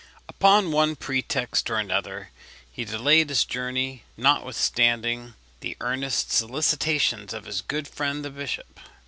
Upon one pretext or another he delayed his journey, notwithstanding the earnest solicitations of his good friend the bishop.